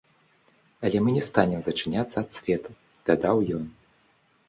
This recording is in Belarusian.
Але мы не станем зачыняцца ад свету, дадаў ён.